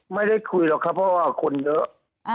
ไม่ได้คุยหรอกครับเพราะว่าคนเยอะ